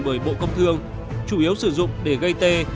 bởi bộ công thương chủ yếu sử dụng để gây tê